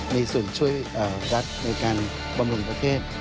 มีส่วนช่วยรัฐในการบำรุงประเทศ